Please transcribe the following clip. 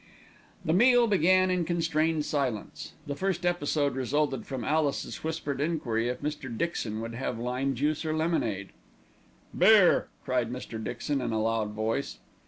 The meal began in constrained silence. The first episode resulted from Alice's whispered enquiry if Mr. Dixon would have lime juice or lemonade. "Beer!" cried Mr. Dixon in a loud voice.